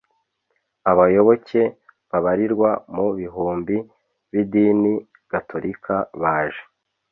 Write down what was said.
abayoboke babarirwa mu bihumbi b’idini gatolika baje